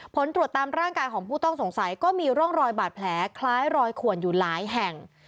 ผลตรวจตามร่างกายของผู้ต้องสงสัยก็มีร่องรอยบาดแผลคล้ายรอยขวนอยู่หลายแห่ง